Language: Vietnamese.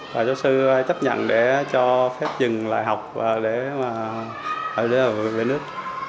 và giáo sư chấp nhận để cho phép dừng lại học và để mà ở đây là vượt lên nước